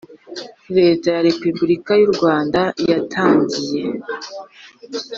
leta ya Repubulika y u Rwanda yatangiye